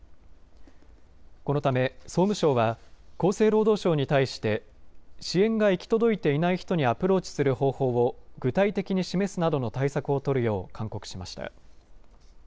このため総務省は厚生労働省に対して支援が行き届いていない人にアプローチする方法を具体的に示すなどの対策を取るよう勧告しました。